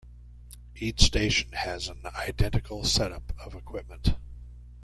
Each station has an identical setup of equipment.